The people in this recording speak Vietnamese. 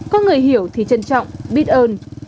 có người hiểu thì trân trọng biết ơn